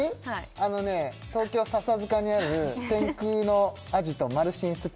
あのね東京・笹塚にある天空のアジトマルシンスパ